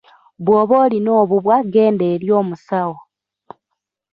Bw’oba olina obubwa genda eri omusawo.